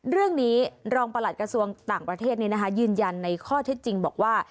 เรื่องนี้รองประหลัดกระทรวงต่างประเทศยืนยันในข้อเท็จจริงบอกว่า